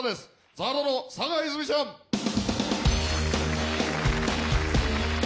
ＺＡＲＤ の坂井泉水ちゃん。お！